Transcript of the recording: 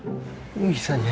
iya bener bisa nyasar